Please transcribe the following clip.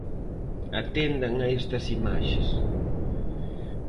Atendan a estas imaxes.